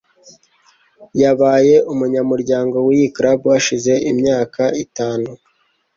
Yabaye umunyamuryango wiyi club hashize imyaka itanu.